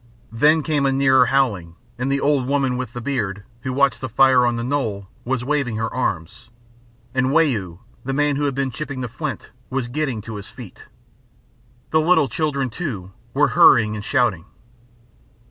Then came a nearer howling, and the old woman with the beard, who watched the fire on the knoll, was waving her arms, and Wau, the man who had been chipping the flint, was getting to his feet. The little children too were hurrying and shouting.